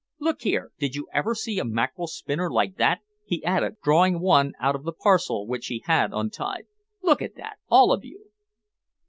Look here, did you ever see a mackerel spinner like that?" he added, drawing one out of the parcel which he had untied. "Look at it, all of you."